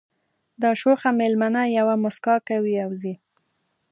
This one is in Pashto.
دا شوخه مېلمنه یوه مسکا کوي او ځي